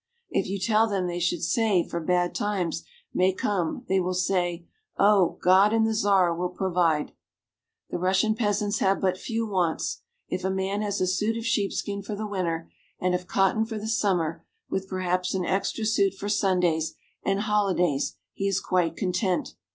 If you tell them they should save, for bad times may come, they will say, " Oh ! God and the Czar will provide !" The Russian peasants have but few wants. If a man has a suit of sheepskin for the winter and of cotton for the summer, with perhaps an extra suit for Sundays and holidays, he is quite content.